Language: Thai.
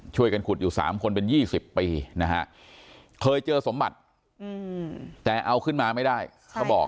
ช่วยกันขุดอยู่๓คนเป็น๒๐ปีนะฮะเคยเจอสมบัติแต่เอาขึ้นมาไม่ได้เขาบอก